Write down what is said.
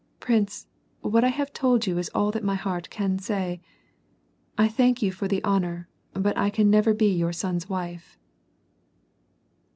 "* "Prince, what I have told you is all that my heart can say. I thank you for the honor, but I can never be your son's wife."